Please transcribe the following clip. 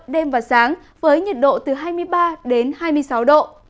đêm và sáng với nhiệt độ từ hai mươi ba đến hai mươi sáu độ